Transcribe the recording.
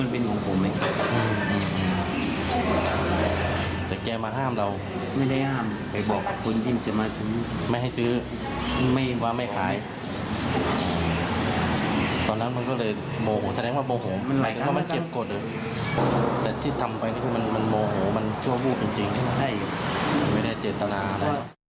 เพราะว่ามันเจ็บกดเลยแต่ที่ทำไปมันโมโหมันชั่วรูปจริงไม่ได้เจตนาอะไร